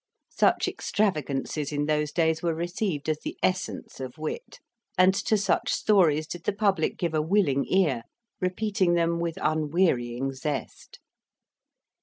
'" Such extravagances in those days were received as the essence of wit, and to such stories did the public give a willing ear, repeating them with unwearying zest.